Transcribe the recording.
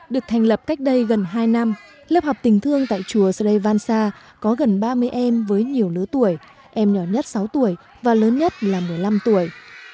được thành lập cách đây gần hai năm lớp học tình thương tại chùa srivansha có gần ba mươi em với nhiều lứa tuổi em nhỏ nhất sáu tuổi và lớn nhất là một mươi năm tuổi